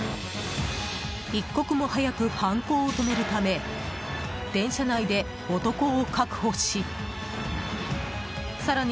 一刻も早く犯行を止めるため電車内で男を確保し更に